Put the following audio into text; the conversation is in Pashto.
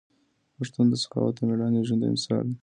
پښتون د سخاوت او ميړانې یو ژوندی مثال دی.